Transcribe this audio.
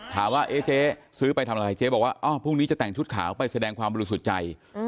เอ๊ะเจ๊ซื้อไปทำอะไรเจ๊บอกว่าพรุ่งนี้จะแต่งชุดขาวไปแสดงความบริสุทธิ์ใจ